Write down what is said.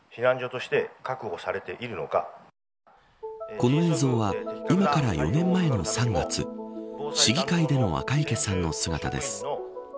この映像は今から４年前の３月市議会での赤池さんの姿です。